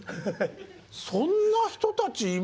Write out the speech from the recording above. そんな人たちいます？